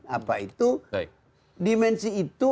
apa itu dimensi itu